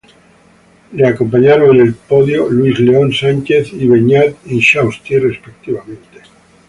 Le acompañaron en el podio Luis León Sánchez y Beñat Intxausti, respectivamente.